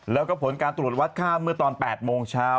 แล้วก็ผลการตรวจวัดค่าเมื่อตอน๘โมงเช้า